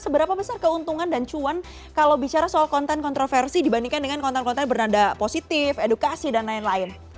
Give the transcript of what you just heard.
seberapa besar keuntungan dan cuan kalau bicara soal konten kontroversi dibandingkan dengan konten konten bernada positif edukasi dan lain lain